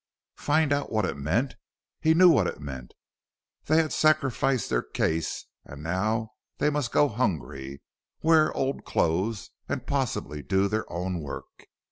Find out what it meant! He knew what it meant; they had sacrificed their case, and now they must go hungry, wear old clothes, and possibly do their own work.